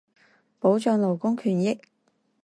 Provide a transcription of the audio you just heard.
保障勞工權益